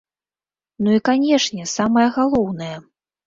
Ну і, канечне, самае галоўнае.